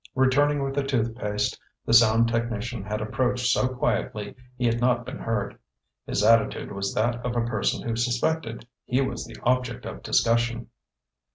Returning with the tooth paste, the sound technician had approached so quietly he had not been heard. His attitude was that of a person who suspected he was the object of discussion.